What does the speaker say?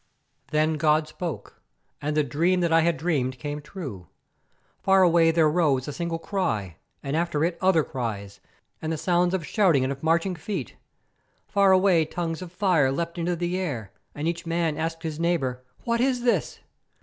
Then God spoke, and the dream that I had dreamed came true. Far away there rose a single cry, and after it other cries, and the sounds of shouting and of marching feet. Far away tongues of fire leapt into the air, and each man asked his neighbour, "What is this?"